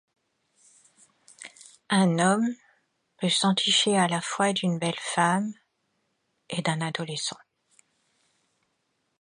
Un homme peut s'enticher à la fois d'une belle femme et d'un adolescent.